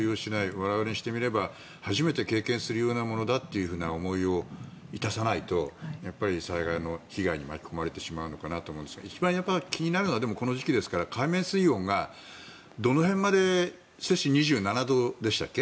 我々にしてみれば初めて経験するようなものだという思いを致さないと災害の被害に巻き込まれてしまうのかなと思うんですが一番気になるのはこの時期ですから海面水温がどの辺まで摂氏２７度でしたっけ？